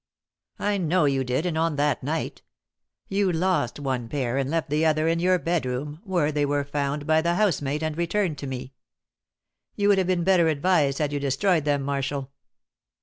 "I know you did, and on that night. You lost one pair and left the other in your bedroom, where they were found by the housemaid and returned to me. You would have been better advised had you destroyed them, Marshall."